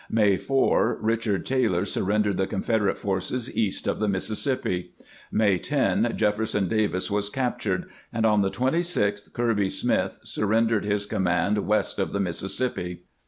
May 4, Richard Taylor surrendered the Confederate forces east of the Missis sippi. May 10, Jefferson Davis was captured; and on the 26th Kirby Smith surrendered his command west of the Mississippi.